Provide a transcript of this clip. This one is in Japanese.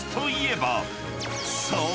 ［そう！